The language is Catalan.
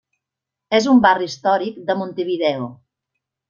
És un barri històric de Montevideo.